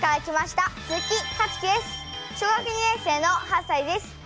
小学２年生の８さいです。